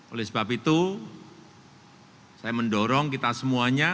oleh sebab itu saya mendorong kita semuanya